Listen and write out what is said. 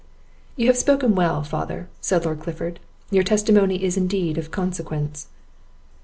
"You have well spoken, father," said the Lord Clifford; "your testimony is indeed of consequence.